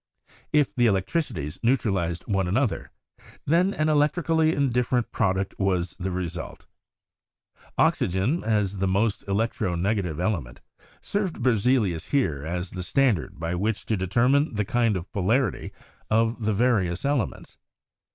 If the electricities neutralized one another, then an elec trically indifferent product was the result. Oxygen, as the most electro negative element, served Berzelius here as the standard by which to determine the kind of polarity of the various elements.